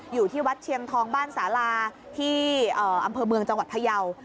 อยู่ที่วัดเชียงทองบ้านสาลาที่อำเภอเมืองจังหวัดพยาว